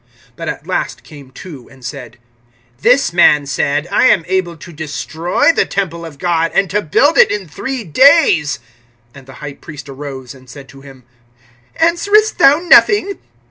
But at last came two, (61)and said: This man said, I am able to destroy the temple of God, and to build it in three days. (62)And the high priest arose, and said to him: Answerest thou nothing?